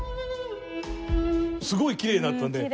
すごいきれいになったんで。